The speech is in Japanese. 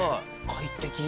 快適。